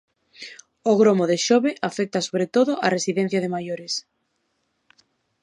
O gromo de Xove afecta sobre todo á residencia de maiores.